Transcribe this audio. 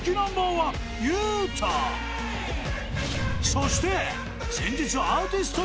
［そして］